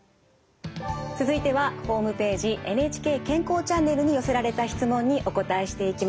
続いてはホームページ「ＮＨＫ健康チャンネル」に寄せられた質問にお答えしていきます。